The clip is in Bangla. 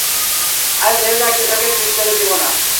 আমি বেঁচে থাকতে, তোকে সিট পেতে দিবো না।